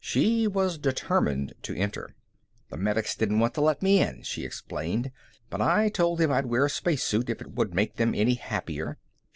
She was determined to enter. "The medics didn't want to let me in," she explained. "But I told them I'd wear a spacesuit if it would make them any happier."